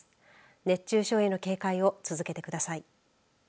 熱中症への警戒を続けてください。